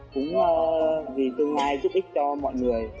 cũng vì tương lai giúp ích cho mọi người